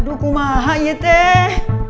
aduh kumaha yeteh